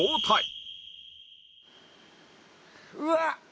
うわっ！